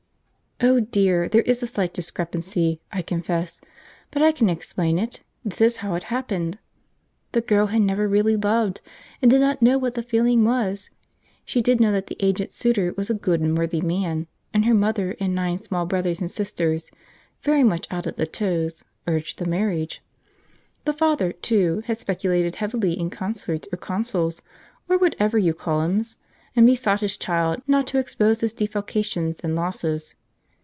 "Oh, dear! there is a slight discrepancy, I confess, but I can explain it. This is how it happened: The girl had never really loved, and did not know what the feeling was. She did know that the aged suitor was a good and worthy man, and her mother and nine small brothers and sisters (very much out at the toes) urged the marriage. The father, too, had speculated heavily in consorts or consuls, or whatever you call 'ems, and besought his child not to expose his defalcations and losses.